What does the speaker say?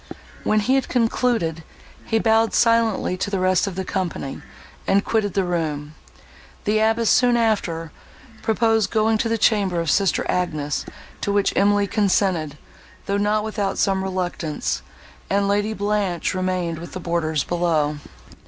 When he had concluded, he bowed silently to the rest of the company, and quitted the room. The abbess, soon after, proposed going to the chamber of sister Agnes, to which Emily consented, though not without some reluctance, and Lady Blanche remained with the boarders below.